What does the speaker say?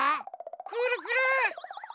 くるくる？